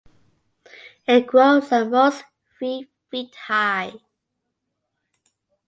It grows at most three feet high.